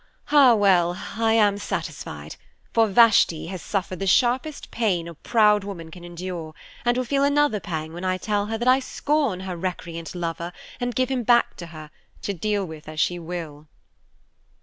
Ah well, I am satisfied, for Vashti has suffered the sharpest pain a proud woman can endure, and will feel another pang when I tell her that I scorn her recreant lover, and give him back to her, to deal with as she will."